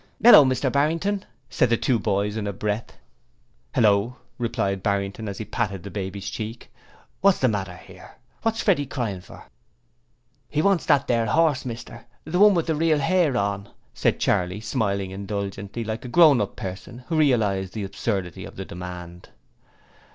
'Hello, Mr Barrington,' said the two boys in a breath. 'Hello,' replied Barrington, as he patted the baby's cheek. 'What's the matter here? What's Freddie crying for?' 'He wants that there 'orse, mister, the one with the real 'air on,' said Charley, smiling indulgently like a grown up person who realized the absurdity of the demand.